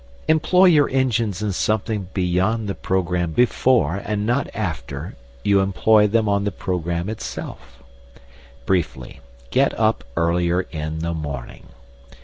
Employ your engines in something beyond the programme before, and not after, you employ them on the programme itself. Briefly, get up earlier in the morning.